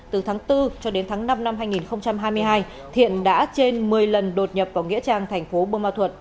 từ tháng bốn cho đến tháng năm năm hai nghìn hai mươi hai thiện đã trên một mươi lần đột nhập vào nghĩa trang thành phố bô ma thuật